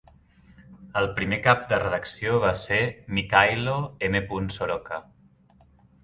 El primer cap de redacció va ser Mykhailo M. Soroka.